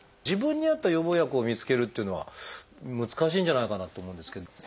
自分に合った予防薬を見つけるっていうのは難しいんじゃないかなと思うんですけど。